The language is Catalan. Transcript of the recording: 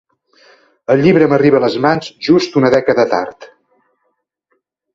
El llibre m'arriba a les mans just una dècada tard.